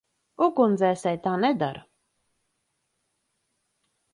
Ugunsdzēsēji tā nedara.